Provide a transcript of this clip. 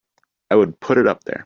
I would put it up there!